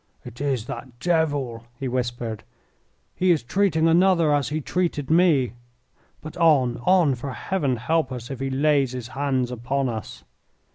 "It is that devil," he whispered. "He is treating another as he treated me. But on, on, for Heaven help us if he lays his hands upon us."